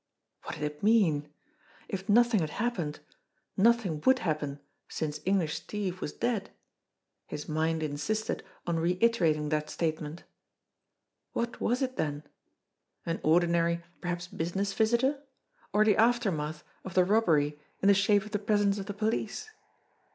What did it mean? If nothing had happened, nothing would happen since English Steve was dead. His mind in sisted on reiterating that statement. What was it, then ? An ordinary, perhaps business, visitor; or the aftermath of the robbery in the shape of the presence of the police?